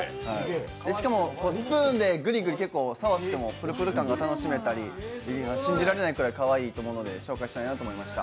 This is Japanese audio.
しかもスプーンでぐりぐり結構触ってもぷるぷる感が楽しめたり信じられないぐらいかわいいと思うので紹介したいなと思いました。